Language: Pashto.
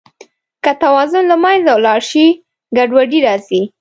که توازن له منځه ولاړ شي، ګډوډي راځي.